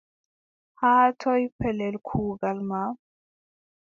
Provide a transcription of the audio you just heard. Haa toy pellel kuugal ma ?